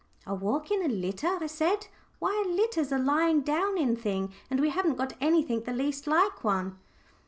"A walk in a litter," I said; "why, a litter's a lying down in thing, and we haven't got anything the least like one."